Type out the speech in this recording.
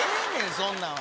そんなんは。